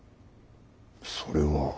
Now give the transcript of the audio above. それは。